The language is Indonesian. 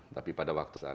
tapi pada waktu saat